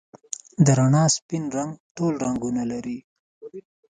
د رڼا سپین رنګ ټول رنګونه لري.